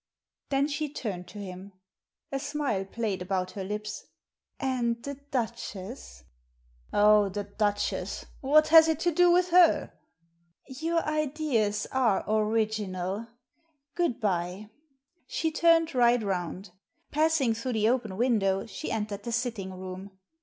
Then she turned to him. A smile played about her lips. "And the Duchess ?"" Oh, the Duchess ! what has it to do with her ?" "Your ideas are original. Good bye." She turned right round. Passing through the open window, she entered the sitting room.